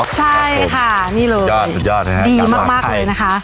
ใช่ค่ะนี่เลยดีมากเลยนะคะ